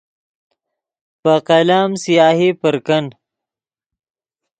پے قلم سیاہی پر کن